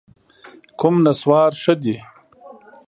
کوم نسوار ښه دي؟